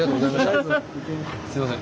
すいません。